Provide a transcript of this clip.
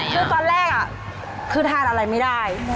คือตอนแรกคือทานอะไรไม่ได้